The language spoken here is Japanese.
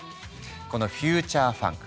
このフューチャーファンク